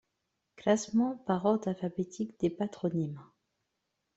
Classement par ordre alphabétique des patronymes.